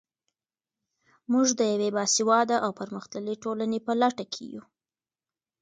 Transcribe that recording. موږ د یوې باسواده او پرمختللې ټولنې په لټه کې یو.